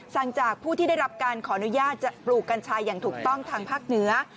สั่งจากผู้ที่ได้รับการขออนุญาตจะปลูกกัญชาอย่างถูกต้องทางภาคเหนือ